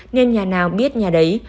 nên nhà nào biết nhà đấy